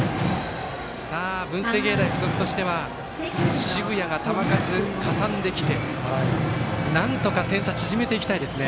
文星芸大付属としては澁谷が球数かさんできてなんとか点差縮めていきたいですね。